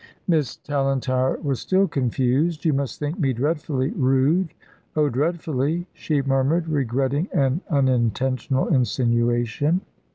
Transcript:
Miss Tallentire was still confused. "You must think me dreadfully rude oh, dreadfully," she murmured, regretting an unintentional insinuation.